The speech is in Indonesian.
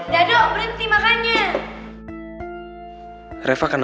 dado berhenti makannya